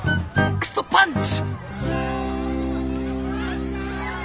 クソッパンチ！